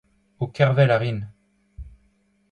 Ho kervel a rin.